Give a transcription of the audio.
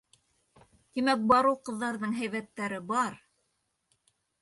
Тимәк, бар ул ҡыҙҙарҙың һәйбәттәре, бар!